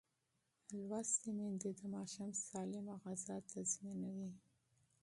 لوستې میندې د ماشوم سالمه غذا تضمینوي.